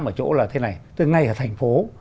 ở chỗ là thế này ngay ở thành phố